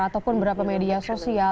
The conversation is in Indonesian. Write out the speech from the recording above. ataupun beberapa media sosial